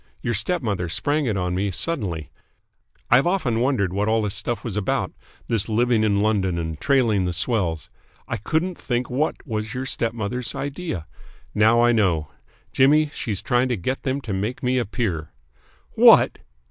Your stepmother sprang it on me suddenly. I've often wondered what all this stuff was about, this living in London and trailing the swells. I couldn't think what was your stepmother's idea. Now I know. Jimmy, she's trying to get them to make me a peer!" "What!"